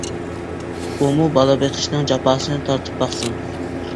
ئۇمۇ بالا بېقىشنىڭ جاپاسىنى تارتىپ باقسۇن.